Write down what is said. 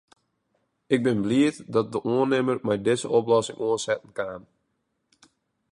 Ik bin bliid dat de oannimmer mei dizze oplossing oansetten kaam.